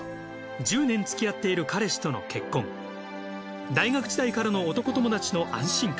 １０年つきあっている彼氏との結婚大学時代からの男友だちの安心感。